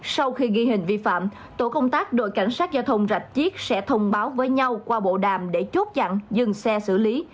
sau khi ghi hình vi phạm tổ công tác đội cảnh sát giao thông rạch chiếc sẽ thông báo với nhau qua bộ đàm để chốt chặn dừng xe xử lý